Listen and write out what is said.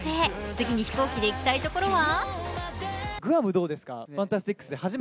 次に飛行機で行きたいところは？